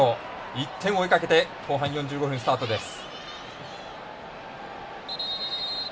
１点を追いかけて後半４５分、スタートです。